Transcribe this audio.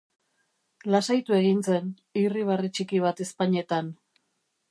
Lasaitu egin zen, irribarre txiki bat ezpainetan.